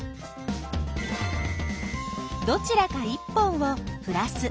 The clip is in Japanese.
どちらか１本をプラス